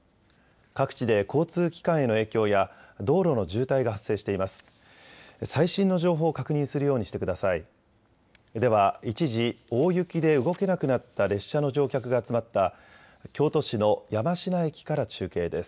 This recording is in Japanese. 各地で交通機関への影響や道路の渋滞が発生しています。